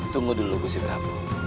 tunggu dulu gusit ramu